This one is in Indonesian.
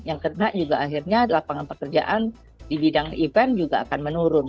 yang kena juga akhirnya lapangan pekerjaan di bidang event juga akan menurun